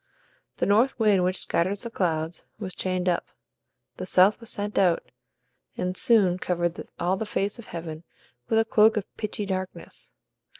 The north wind, which scatters the clouds, was chained up; the south was sent out, and soon covered all the face of heaven with a cloak of pitchy darkness.